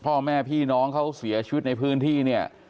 พ่อแม่พี่น้องเขาเสียชีวิตในพื้นที่เนี่ย